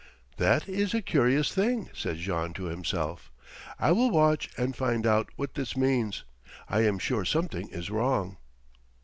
"That is a curious thing," said Jean to himself. "I will watch and find out what this means. I am sure something is wrong."